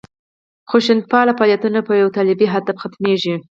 خشونتپاله فعالیتونه په یوه طالبي هدف ختمېږي.